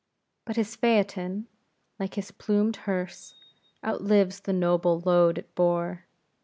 But his phaeton like his plumed hearse, outlives the noble load it bore.